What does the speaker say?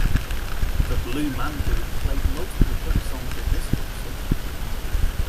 The Blue Man Group played multiple cover songs in this concert.